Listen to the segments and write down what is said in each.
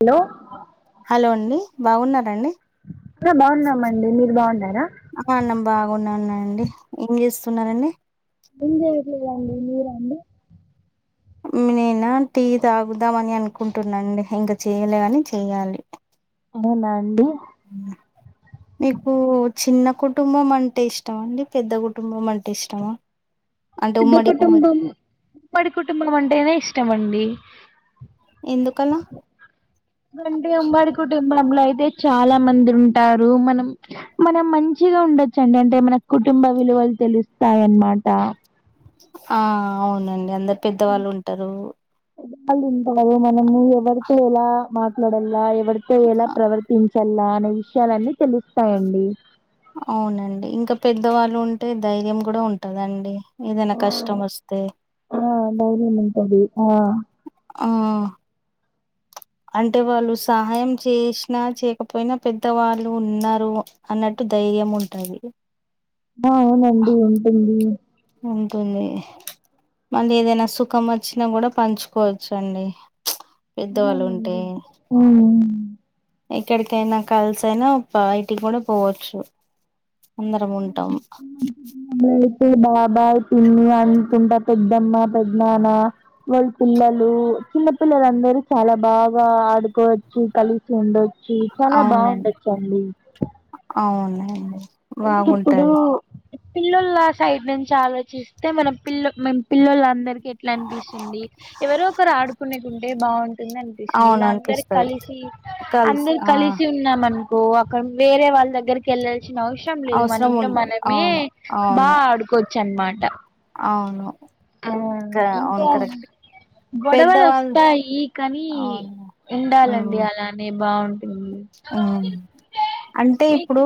Hello hello అండి బావున్నారాండి ఆ బాగున్నామండి మీరు బాగున్నారా ఆ నేను బావున్నానండి అండి ఏం చేస్తున్నారండి మీరండి మీరండి నేనా టీ తాగుదాం అని అనుకుంటున్నా అండి ఇంకా చెయలే గాని చేయ్యాలి అవునా అండి మీకు చిన్న కుటుంబం అంటే ఇష్టమా అండి పెద్ద కుటుంబం అంటే ఇష్టమా అంటే పెద్ద ఉమ్మడి కుమ్మడి కుటుంబం ఉమ్మడి కుటుంబం అంటేనే ఇష్టం అండి ఎందుకలా ఎందుకంటే ఉమ్మడి కుటుంబం లో అయితే చాలా మంది ఉంటారు మనం మనం మంచిగా ఉండొచ్చండి అంటే మన కు కుటుంబ విలువలు తెలుస్తాయన్నమాట ఆ అవునండి అందరు పెద్దవాళ్ళు ఉంటారు వాళ్ళు ఉంటారు మనము ఎవరితో ఎలా మాట్లాడలా ఎట్ల ఎవరితో ఎలా అ ప్రవర్తించలా అనే విషయాలన్నీ తెలుస్తాయండి అవునండి ఇంకా పెద్దవాళ్ళు ఉంటే ధైర్యం కూడా ఉంటదండి ఏదైనా కష్టం వస్తే ఆ ధైర్యం ఉంటది ఆ ఆ అంటే వాళ్ళు సాయం చేసినా చేయకపోయినా పెద్దవాళ్ళు ఉన్నారు అన్నట్టు ధైర్యం ఉంటది ఆ అవునండి ఉంటుంది ఉంటుంది మళ్ళ ఏదైనా సుఖం వచ్చినా కూడా పంచుకోవచ్చు అండి పెద్దవాళ్ళు ఉంటే అవునండి ఉమ్. ఎక్కడికైనా కలిసి అయినా బయటికి కూడా పోవచ్చు అందరం ఉంటాం ఏ బాబాయ్ పిన్ని అనుకుంటా పెద్దమ్మా పెద్దనానా వాళ్ళ పిల్లలు చిన్న పిల్లలుందరూ చాలా బాగా ఆడుకోవచ్చు కలిసి ఉండచ్చు చాలా అవునండి బాగుండొచ్చండి బాగుంటాది పిల్లోల సైడ్ నుంచి ఆలోచిస్తే మనం పిల్ల మేం పిల్లలందరికీ ఎట్లా అనిపిస్తుంది ఎవరో ఒకరు ఆడుకునే ఉంటే బాగుంటుంది అనిపిస్తుంది అవును ఇలా అందరు అనిపిస్తది కలిసి కలిసి అందరు ఆ కలిసి ఉన్నాం అనుకో అక్కడ వేరే వాళ్ళ దగ్గరికి వెళ్లేసి ఏం అవసరం లేదు మన అవసరం ఇంట్లో ఉండదు మనమే అవును అవును బాగా ఆడుకోవచ్చు అనమాట అవును ఆ కా అవును ఇంకా కరెక్ట్ గొడవలు పెద్దవాళ్ళు వస్తాయి కానీ అవును ఉండాలండి అలానే బాగుంటుంది ఉ అంటే ఇప్పుడు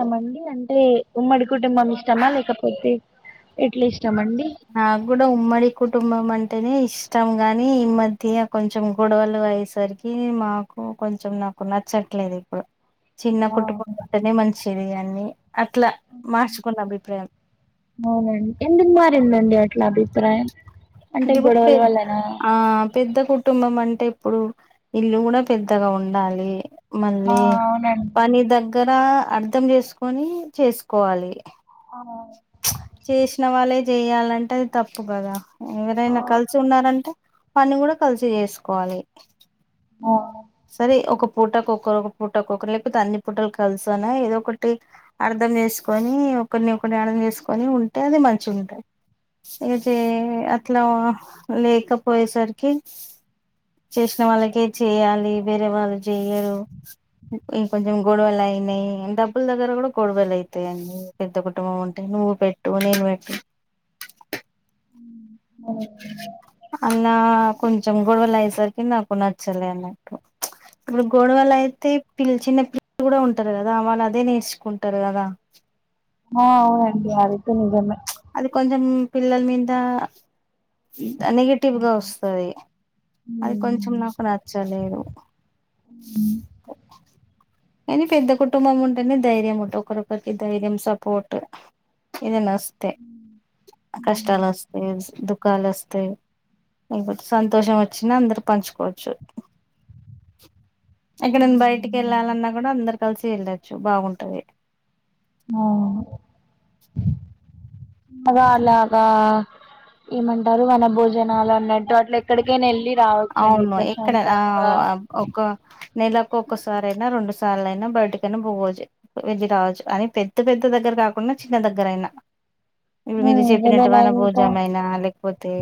ఇష్టమండి అంటే ఉమ్మడి కుటుంబం ఇష్టమా లేకపోతే ఎట్లా ఇష్టమండి నాకు కూడా ఉమ్మడి కుటుంబం అంటేనే ఇష్టం కానీ ఈ మధ్య కొంచెం గొడవలు అయ్యేసరికి మాకు కొంచెం నాకు నచ్చట్లేదు ఇప్పుడు చిన్న ఆ కుటుంబం ఉంటేనే మంచిది అన్ని అట్లా మార్చుకున్న అభిప్రాయం అండి అట్లా అభిప్రాయం అంటే ఇప్పుడు పె గొడవల వల్లనా ఆ పెద్ద కుటుంబం అంటే ఇప్పుడు ఇల్లు కూడా పెద్దగా ఉండాలి ఆ మళ్ళీ అవునండి పని దగ్ గ్గర అర్ధం చేసుకొని చేసుకోవాలి ఆ చేసిన వాళ్ళే చేయాలంటే అది తప్పు కదా ఆ ఎవరైనా కలిసి ఉన్నారంటే పని కూడా కలిసి చేసుకోవాలి ఆ సరే ఒక పూటకొక్కరు ఒక పూట ఒకొక్కరు లేకపోతే అన్ని పూటలు కలిసి అయినా అర్థం ఏదో ఒకటి అర్ధం చేసుకొని ఒకరిని ఒకరు అర్థం చేసుకొని ఉంటే అది మంచిగా ఉంటది చేసి అయితే అట్లా లేకపోయే సరికి చేసిన వాళ్ళకే చేయాలి వేరే వాళ్ళు చెయ్యరు ఇగ కొంచెం గొడవలు అయినాయి డబ్బులు దగ్గర కూడా గొడవలే అంతే అండి పెద్ద కుటుంబం ఉంటే నువ్వు పెట్టు నేను పెట్టి అ నా కొంచెం గొడవలు అయేసరికి నాకు నచ్చలే అన్నట్టు ఇప్పుడు గోడవలు అయితే పిల్ల చిన్న పిల్లలు కూడా ఉంటారు కదా వాళ్ళు అదే నేర్చుకుంటారు కదా ఆ అవునండి అది అయితే నిజమే అది కొంచెం పిల్లల మీద నెగటివ్గా వస్తది అది కొంచెం ఉమ్ నాకు నచ్చలేదు కానీ పెద్ద కుటుంబం ఉంటేనే ధైర్యం ఉంటే ఒకరి ఒకరికి ధైర్యం సపోర్టు ఏదైనా వస్తే కష్టాలు వస్తే కాలుస్తే లేకపోతే సంతోషం వచ్చిన అందరు పంచుకోచ్చు ఎక్కడన్నా బయటికి వెళ్ళాలన్నా కూడా అందరు కలిసి వెళ్ళొచ్చు బాగుంటది ఆ అలా అలా ఏమంటారు వన భోజనాలు అన్నట్టు అట్లా ఎక్కడికైనా వెళ్ళి రావచ్చండి అవును ఎక్కడ ఆ ప్రశాంతంగా ఒక నెలకు ఒకసారైనా రెండు సార్లు అయినా బయటికైనా బువోజు వెళ్ళి రావచ్చు అని పెద్ద పెద్ద ఇంత దగ్గర కాకుండా చిన్న దగ్గరయినా ఇవి మీరు చెప్పినట్టు ఏమైనా వాన ఇంకా భోజమయినా లేకపోతే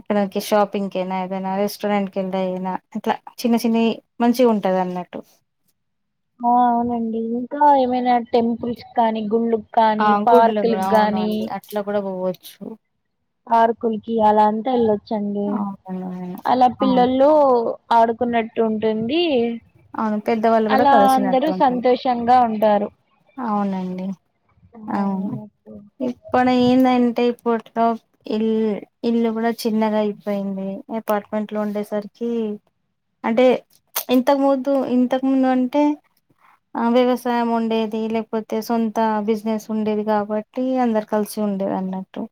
ఎక్కడికి షాపింగ్కైనా నా రెస్టారెంట్ క వెళ్దానా ఇట్లా చిన్న చిన్న మంచి ఉంటదన్నట్టు ఆ అవునండి ఇంకా ఏమైనా టెంపుల్స్ కానీ గుళ్ళు ఆ గుడ్లు కూడా అవును అండి అట్లా కూడా పోవచ్చు ఆరుకులకి అలా అంతా వెళ్ళొచ్చండి అవునండి అవును అలా అవును పిల్లలు ఓ ఆడుకున్నట్టు ఉంటుంది అవును పెద్దవాళ్ళు కూడా అలా కలిసినట్టు అందరూ ఉంటుంది సంతోషంగా ఉంటారు అవునండి అవును అవునండి ఇప్పుడు ఏందంటే ఫట్లో ఇల్ ఇల్లు కూడా చిన్నగయిపోయింది అపార్ట్మెంట్ లో ఉండేసరికి ఉమ్ అంటే ఇంతకు ముందు ఇంతకు ముందు అంటే ఆ వ్యవసాయముండే లేకపోతే సొంత బిజినెస్ ఉండేది కాబట్టి అందరు కలిసి ఉండేదన్నట్టు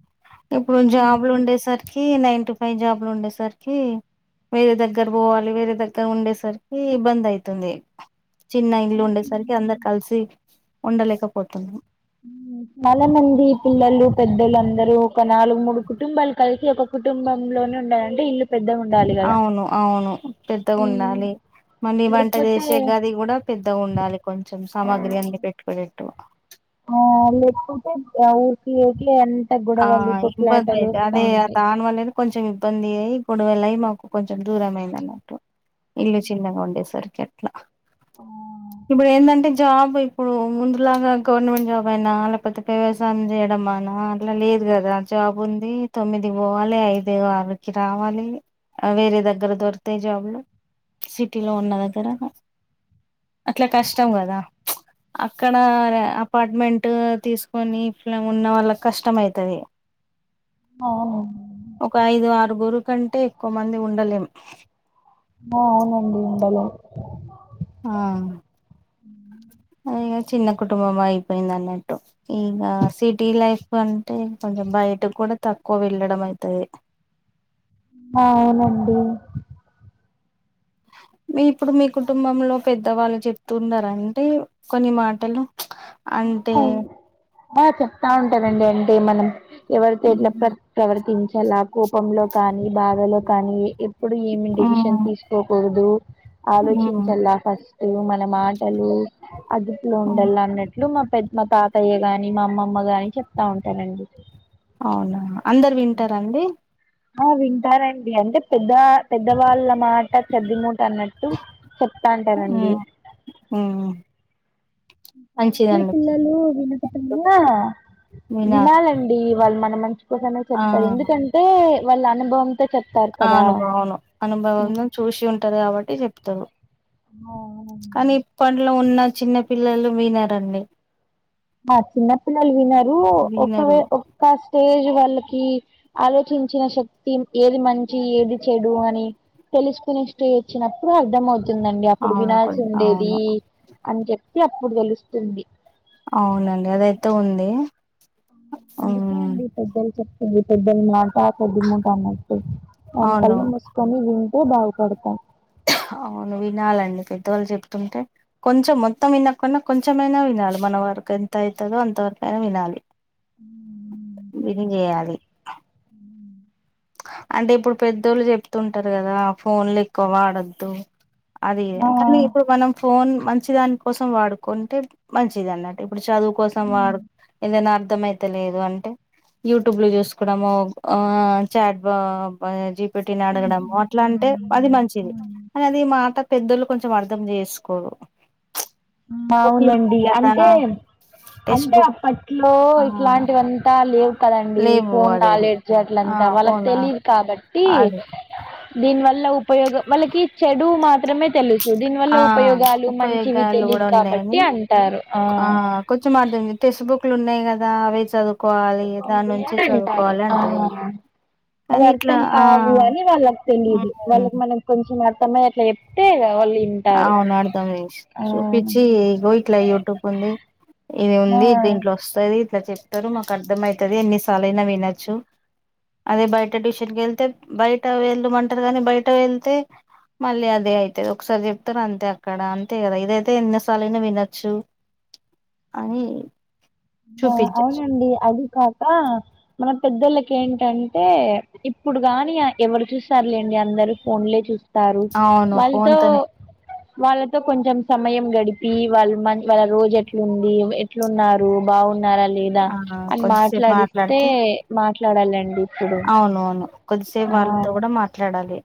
ఇప్పుడు జాబ్లు ఉండేసరికి నైన్ టు ఫైవ్ జాబ్లు ఉండేసరికి వేరే దగ్గర పోవాలి వేరే దగ్గర ఉండేసరికి బంద్ అయితుంది చిన్న ఇల్లు ఉండేసరికి అవునండి అందరు కలిసి ఉండలేకపోతున్నా చాలా మంది పిల్లలు పెద్దలు అందరూ ఒక నాలుగు మూడు కుటుంబాలు కలిసి ఒక కుటుంబంలోనే ఉండాలీ అవును అవును పెద్దగన్డాలి మళ్ళీ వంట లేకపోతే చేసే గది కూడా పెద్దగా ఉండాలి కొంచెం సామాగ్రి అన్ని పెట్టుకునేట్టు ఆ లేపుతే ఉపి యూపీ ఎ ఆ ఇబ్బంది అయితే అదే ఆ దాన్ వల్లనే కొంచెం ఇబ్బంది అయి ప్పుడు వేల అయి మాకు కొంచెం దూరమైంది అన్నట్టు ఇల్లు చిన్నగుండెసరికి ఎట్లా ఇప్పుదెందంటే జాబ్ ఇప్పుడు ముందులాగా గవర్నమెంట్ జాబ్ అయినా లేకపోతే వ్యవసాయం చేయడంమనా ల లేదు కదా జాబ్ ఉంది తొమ్మిది పోవాలి ఐదు ఆరుకి రావాలి వేరే దగ్గర దొకుతాయి జాబ్లు సిటీ లో ఉన్న దగ్గర అట్లా కష్టం కదా అక్కడ అపార్ట్మెంట్ తీసుకొని ఇట్ల ఉన్న వాళ్ళక్ కష్టమైతది అవును ఒక ఐదు ఆరుగురు కంటే క్కువ మంది ఉండలేం ఆ అవునండి ఉండలేం ఆ అది చిన్న కుటుంబం అయిపోయింది అన్నట్టు ఇక సిటీ లైఫ్ అంటే కొంచెం బయట కూడా తక్కువ వెళ్ళడం అయితది అవునండి మీ ఇప్పుడు మీ కుటుంబంలో పెద్దవాళ్ళు చెప్తున్నరంటే కొన్ని మాటలు అంటే ఆ చెప్తా ఉంటారండి అంటే మనం, ఎవరితో ఇట్ల ప్ర మ్మ్ ప్రవర్తించాలా కోపంలో కానీ బాధలో కానీ ఇప్పుడు ఏమి డెసిషన్ తీసుకోకూడదు, మ్మ్ ఆలోచించలా ఫస్ట్ మన మాటలు అదుపులో ఉండల్ల అన్నట్టు. ఇలు మా పెద్ మా తాతయ్య గాని, మా అమ్మమ్మ గాని చెప్తా ఉంటారండి. అవునా అందరు వింటారండి? ఆ వింటారండి, అంటే పెద్ద పెద్దవాళ్ళ మాట చెద్ది మూట అన్నట్టు చెప్తాంటారండి. మ్మ్ మ్మ్ ఈ మంచిదండి పిల్లలు వినకపోయిన వినాలి వినాలండి వాళ్ళు మన మంచి కోసమే ఆ చెప్తారు, ఎందుకంటే వాళ్ళ అనుభవం ఆ అనుభవం అనుభవంలో చూసి ఉంటారు కాబట్ టి చెప్తరు, కానీ ఇప్పట్లో ఉన్న చిన్న పిల్లలు వినరండి ఆ చిన్న పిల్లలు వినరు, ఒకే వినరు ఒక్క స్టేజ్ వల్ల కీ ఆలోచించిన శక్తి ఏది మంచి, ఏది చెడు అని తెలుసుకునే స్టె వచ్చినప్పుడు అర్థంమవుతు తుందండి అప్పుడు అవును కొ వినాల్సి అవును ఉండేది అని చెప్పి అప్పుడు తెలుస్తుంది. అవునండి అదయితే ఉంది. అందుకే ఉమ్ అండి పెద్దలు చెప్తుంది, పెద్దలు మ బా పెద్ద మూట అన్నట్టు ఆల్లు అవును కల్లు మూసుకొని వింటు బాధపడతాం. అవును వినాలండి పెద్దవాళ్ళు చెప్తుంటే, కొంచెం మొత్తం వినకున్న కొంచెమైనా వినాలి. మన వ మాకు ఎంత ఐతదో అంతవరకైనా వినాలి. ఉమ్ విని చేయాలి. అంటే ఇప్పుడు పెద్దోళ్ళు చెప్తుంటారు కదా, ఫోన్లు ఎక్కువ వాడద్దు. అది కనీ ఇప్పుడు మనం ఫోన్ మంచిదాని కోసం వాడుకుంటే మంచిది అన్నట్టు, ఇప్పుడు చదువు కోసం వాడు, ఏదైనా అర్థంమయి తలేదు అంటే యూట్యూబ్ లో చూసుకోవడము ఆ చాట్ బా జీ పెట్టిన అడగడం అట్లా అంటే అది మంచిది. అనేది మాట పెద్దోళ్ళు కొంచెం అర్థం చేసుకోరు. బుక్లు అవునండి ఉన్నాయి కదా అంటే టెక్స్ట్ అంటే బుక్ అప్పట్లో ఆ ఇట్లాంటివంతా లేవు. కదండి లేవు ఫోన్ అదే అదే నాలెడ్జ్ ఆ అట్లంతా వాళ్ళకి ఫోన్ తెలీదు కాబట్టి అది దీని వల్ల ఉపయోగం వాళ్ళకి చెడు మాత్రమే తెలుసు దీని వల్ల ఆ ఉపయోగాలు, మంచివి ఉపయోగాలు తెలి కూడా కాబట్టి ఉన్నాయని అంటారు ఆ కులు ఉన్నాయి కదా అవి చదువుకోవాలి, దాని నుంచే అని అంటారు చదువుకోవాలి అంటరు. ఆ అవి అర్థం కావు అని వాళ్ళకి తెలియదు, ఉమ్, వాళ్ళకి మనం కొంచెం అర్ సమ అట్లా చెప్తే వ వాళ్ళు వింటారు అవును అడదామే ఆ చూపించి ఇగో ఇట్ల యూట్యూబ్ ఉంది. ఇది ఆ ఉంది దీంట్లో వస్తది. ఇట్ల చెప్తరు మాకు అర్ధం ఐతది ఎన్నిసార్లైనా వినొచ్చు. అదే బయట ట్యూషన్ కెళ్తే బయట వెళ్లుమంటరు గని బయట వెళ్తే మళ్లి అదే అయితదో ఒకసారి చెప్తారు అంతే అక్కడ అంతే కదా ఇదైతే ఎన్నిసార్లయినా వినొచ్చు అనీ ఆ అవునండి అది కాక మన పెద్దలకి ఏంటంటే ఇప్పుడు గాని ఎవరు చూస్తారు లేండి అందరు ఫోన్లే చూస్ స్తారు అవును ఫోన్ వాళ్ళతో తోనే వాళ్ళతో కొంచెం సమయం గడిపి వాళ్ళ మన్ వాళ్ళ రోజు ఎట్లుంది ఎట్లున్నారు రూ బాగున్నారా లేదా ఆ అని కొంచెంసేపు మాట్లాడిస్తే మాట్లాడాలం అవును అవును కొద్దిసేపు వాళ్ళతో కూడా మాట్లాడాలి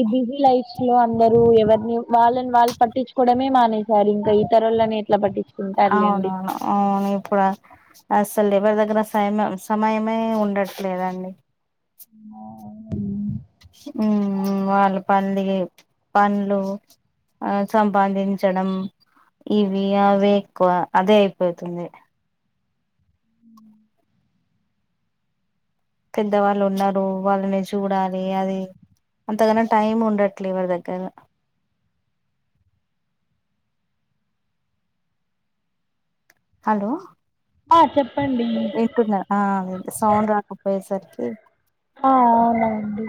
ఈ బిజీ లైఫ్ లో అందరు ఎవరిని వాళ్ళని వాళ్ళు పట్టించుకోవడమే మానేశారు ఇంకా ఇతర వాళ్ళని ఎట్లా పట్టిచూ అవునవును అవును ఇప్పుడు ఆ అస్ అసలు లేవర్ దగ్గర సమ సమయమే ఉండట్లేదండి ఆ అవునండి ఉ వాళ్ళ పండిల్గే పన్లు ఆ సంపాదించడం ఇవి అవి ఎక్కువ అదే అయిపోతుంది పెద్దవాళ్ళు ఉన్నారు వాళ్ళని చూడాలి అది అంతకన్నా టైం ఉండట్లే ఎవ్వరి దగ్గర హలో ఆ చెప్ వింటున్నా ఆ వింటున్నా సౌండ్ రాకపోయేసరికి ఆ అవునండి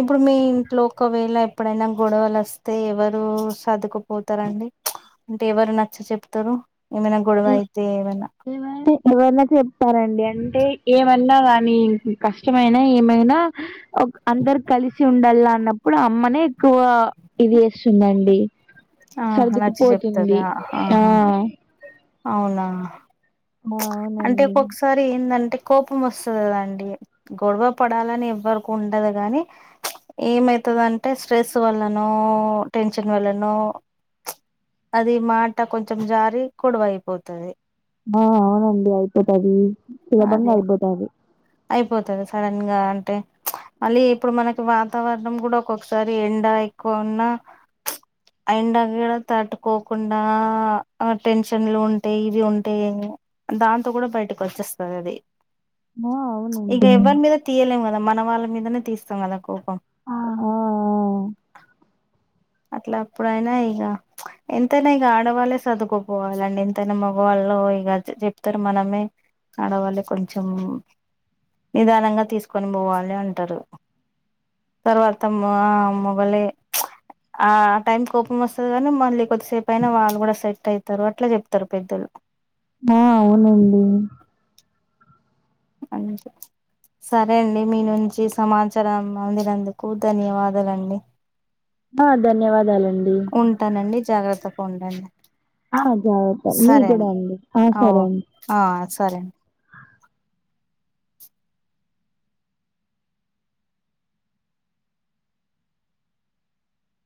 ఇప్పుడు మీ ఇంట్లో ఒకవేళ ఎప్పుడైనా గొడవలు వస్తే ఎవరు సదుకుపోతారు అండి అంటే ఎవరు నచ్చ చెప్తారు ఏమైనా గొడవ అయితే ఏమైనా ఎవర ఎవరైనా చెప్తారండి అంటే ఏమన్నా కానీ కష్టమైనా ఏమైనా ఓక్ అందరు కలిసి ఉండాలి లా అన్నప్పుడు అమ్మనే ఎక్కువ ఇది చేస్తుందండి ఆహా నచ్చ సర్దుకుపోతుంది చెప్తదా ఆ ఆహా అవునా ఆ అంటే అవునండి ఒక్కొక్కసారి ఏందంటే కోపం వస్తది కదండి గొడవ పడాలని ఎవ్వరికు ఉండదు గాని ఏమైతదంటే స్ట్రెస్ వల్లనో టెన్షన్ వల్లనో అది మాటా కొంచెం జారి గోడవయిపోతది ఆ అవునండి అయిపోతాది సులభంగా అదే అయిపోతాది అయిపోతది సడన్ గా అంటే మళ్ళీ ఇప్పుడు మనకి వాతావరణం కూడా ఒక్కొక్కసారి ఎండ ఎక్కువ ఉన్నా ఆ ఎండకు కూడా తట్టుకోకుండా టెన్షన్లు ఉంటాయి ఇది ఉంటే దాంతో కూడా బయటకు వచ్చేస్తది అది ఆ అవునండి ఇగ ఎవ్వరి మీద తీయలే ద మన వాళ్ళ మీదనే తీస్తాం కదా కోపం ఆ ఆ అట్లా అప్పుడైనా ఇగ ఎంతైనా ఇగ ఆడవాళ్ళే సర్దుకపోవాలండి ఎంతైనా మగవాళ్ళ ఇగ చెప్తారు మనమే ఆడవాళ్ళే కొంచెం నిదానంగా తీసుకొని పోవాలే అంటారు తరువాత మా మొగల్లే ఆ టైం కోపం వస్తది కానీ మళ్ళీ కొద్దిసేపు అయినా వాళ్ళు కూడా సెట్ అవుతారు అట్లా చెప్తారు పెద్దలు ఆ అవునండి అనస్ సరే అండి మీ నుంచి సమాచారం అందినందుకు ధన్యవాదాలండి ఆ ధన్యవాదాలండి ఉంటానండి జాగ్రత్తగా ఉండండి ఆ జాగ్రత్త మీ కూడా అండి ఆ ఓ సరే అండి ఆ సరే అండి